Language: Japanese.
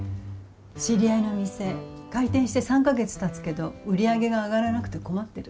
知り合いのお店開店して３か月たつけど売り上げが上がらなくて困ってる。